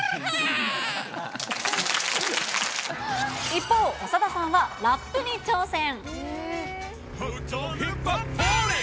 一方、長田さんはラップに挑戦。